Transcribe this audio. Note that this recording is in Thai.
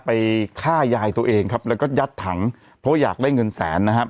ไปฆ่ายายตัวเองครับแล้วก็ยัดถังเพราะอยากได้เงินแสนนะครับ